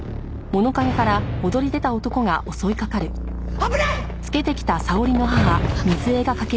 危ない！